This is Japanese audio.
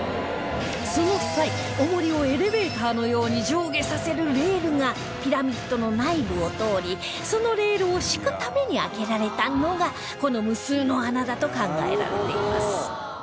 その際重りをエレベーターのように上下させるレールがピラミッドの内部を通りそのレールを敷くために開けられたのがこの無数の穴だと考えられています